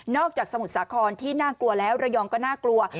จากสมุทรสาครที่น่ากลัวแล้วระยองก็น่ากลัว